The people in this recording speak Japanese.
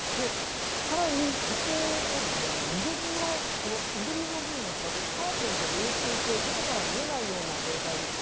更に、緑色の部分なんですが、カーテンで覆っていて外から見えないような状態でした。